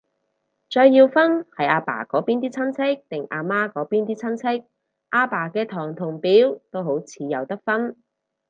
再要分係阿爸嗰邊啲親戚，定阿媽嗰邊啲親戚，阿爸嘅堂同表都好似有得分